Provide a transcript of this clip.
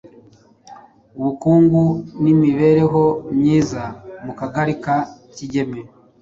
ubukungu n’imibereho myiza mu kagari ka Kigeme